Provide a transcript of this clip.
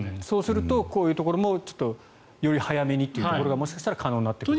そうするとこういうところもより早めにということが可能になってくる。